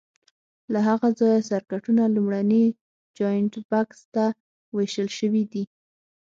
له هغه ځایه سرکټونو لومړني جاینټ بکس ته وېشل شوي دي.